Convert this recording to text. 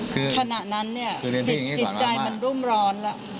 ขณะนั้นเนี่ยจิตจิตใจมันรุ่มร้อนแล้ว